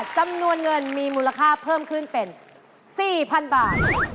จำนวนเงินมีมูลค่าเพิ่มขึ้นเป็น๔๐๐๐บาท